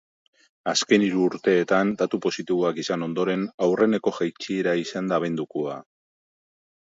Azken hiru urteetan datu positiboak izan ondoren, aurreneko jaitsiera izan da abendukoa.